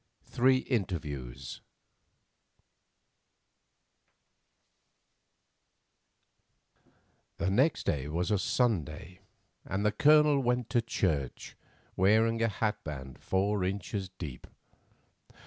THREE INTERVIEWS The next day was a Sunday, and the Colonel went to church, wearing a hat band four inches deep.